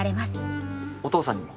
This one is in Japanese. お父さんにも。